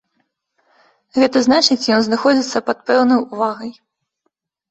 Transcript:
Гэта значыць ён знаходзіцца пад пэўнай увагай.